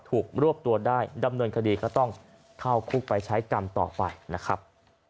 รวบตัวได้ดำเนินคดีก็ต้องเข้าคุกไปใช้กรรมต่อไปนะครับ